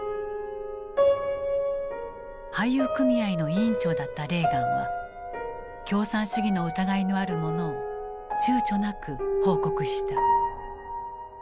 俳優組合の委員長だったレーガンは共産主義の疑いのある者を躊躇なく報告した。